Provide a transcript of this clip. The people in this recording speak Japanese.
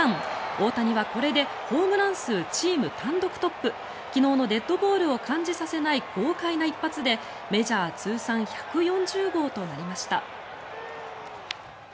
大谷はこれでホームラン数チーム単独トップ昨日のデッドボールを感じさせない豪快な一発でメジャー通算１４０号となりました。